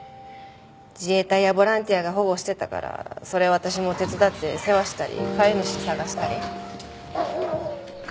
自衛隊やボランティアが保護してたからそれ私も手伝って世話したり飼い主探したり。